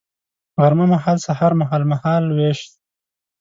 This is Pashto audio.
غرمه مهال سهار مهال ، مهال ویش